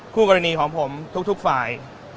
คู่กรณีของผมทุกฝ่าย